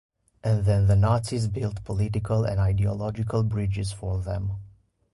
And then the Nazis built political and ideological bridges for them.